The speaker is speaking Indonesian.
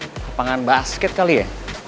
kapangan basket kali ya